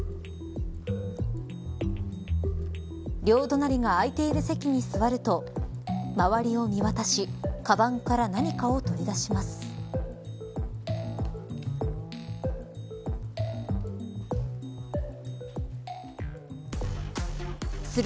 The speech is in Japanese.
両隣が空いている席に座ると周りを見渡しかばんから何かを取り出します。